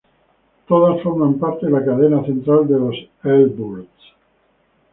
Todas forman parte de la cadena central de los Elburz.